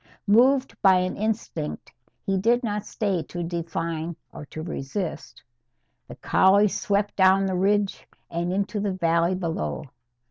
Moved by an instinct he did not stay to define or to resist, the collie swept down the ridge and into the valley below.